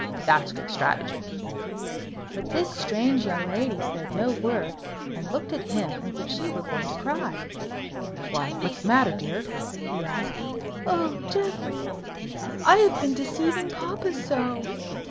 That's good strategy." But this strange young lady said no word, and looked at him as if she were going to cry. "Why, what's the matter, dear?" he asked. "Oh, Geoffrey! I have been deceiving papa so."